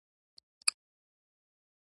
د نېکمرغه ژوند هیلې ورسره شته.